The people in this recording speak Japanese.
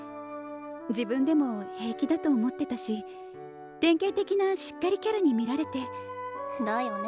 自分でも平気だと思ってたし典型的なしっかりキャラに見られて。だよね。